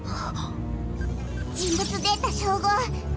人物データ照合。